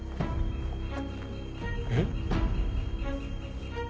えっ？